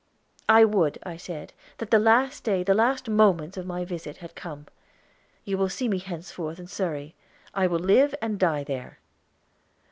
"I would," I said, "that the last day, the last moments of my visit had come. You will see me henceforth in Surrey. I will live and die there."